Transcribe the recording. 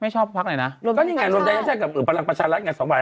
ก็ยังไงรวมใจใช้กับพลังประชารัฐไง๒บาท๕๐